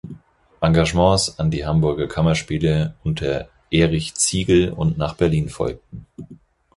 Engagements an die Hamburger Kammerspiele unter Erich Ziegel und nach Berlin folgten.